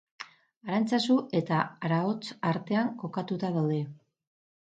Arantzazu eta Araotz artean kokatuta daude.